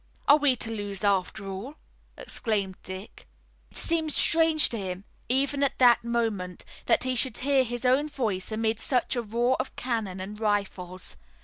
"Are we to lose after all?" exclaimed Dick. It seemed strange to him, even at that moment, that he should hear his own voice amid such a roar of cannon and rifles.